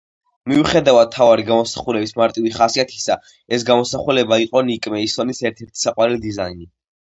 მიუხედავად მთავარი გამოსახულების მარტივი ხასიათისა, ეს გამოსახულება იყო ნიკ მეისონის ერთ-ერთ საყვარელი დიზაინი.